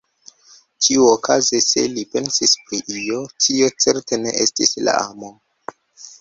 Ĉiuokaze, se li pensis pri io, tio certe ne estis la amo.